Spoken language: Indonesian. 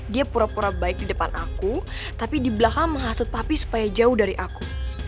dia pura pura baik di depan aku tapi di belakang menghasut papi supaya jauh dari aku